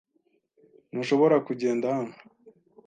Ntushobora kugenda hano.